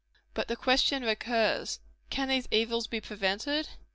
But the question recurs How can these evils be prevented?